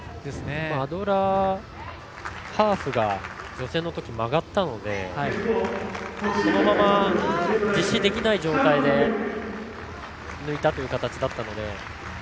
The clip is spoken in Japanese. アドラーハーフが予選のとき曲がったのでそのまま実施できない状態で抜いたという形だったので。